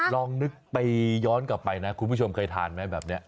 ลองนึกไปย้อนกลับไปนะคุณผู้ชมเคยทานไหมแบบนี้